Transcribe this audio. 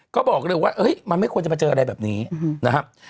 ก็บอกเลยว่ามันไม่ควรจะมาเจออะไรแบบนี้นะครับ